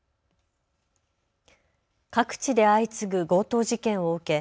各地で相次ぐ強盗事件を受け